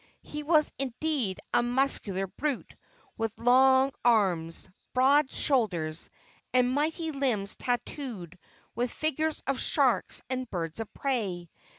He was indeed a muscular brute, with long arms, broad shoulders and mighty limbs tattooed with figures of sharks and birds of prey.